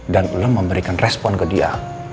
dan lo memberikan respon ke dia